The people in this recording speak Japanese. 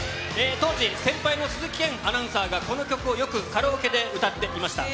当時、先輩の鈴木健アナウンサーがこの曲をよくカラオケで歌っていました。